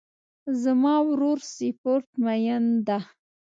زما ورور سپورټ مین ده